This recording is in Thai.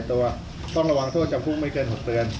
ปฏิตามภาพบังชั่วมังตอนของเหตุการณ์ที่เกิดขึ้นในวันนี้พร้อมกันครับ